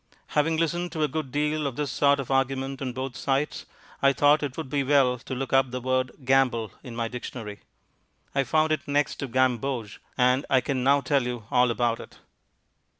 Having listened to a good deal of this sort of argument on both sides, I thought it would be well to look up the word "gamble" in my dictionary. I found it next to "gamboge," and I can now tell you all about it.